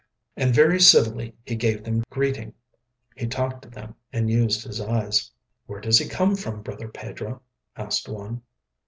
And very civilly he gave them greeting. He talked to them and used his eyes. "Where does he come from, brother Pedro?" asked one.